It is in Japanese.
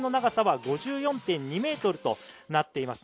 直線の長さは５４．２ｍとなっています。